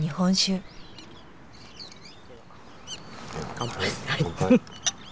乾杯。